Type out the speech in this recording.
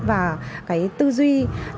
và cái tư duy